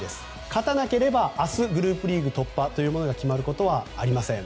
勝たなければ明日、グループリーグ突破が決まることはありません。